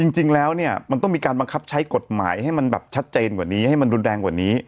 จริงแล้วเนี่ยมันต้องมีการบังคับใช้กฎหมายให้มันแบบชัดเจนกว่านี้ให้มันรุนแรงกว่านี้